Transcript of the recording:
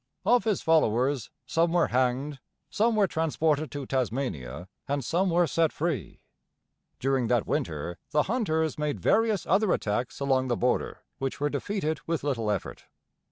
Of his followers, some were hanged, some were transported to Tasmania, and some were set free. During that winter the 'Hunters' made various other attacks along the border, which were defeated with little effort.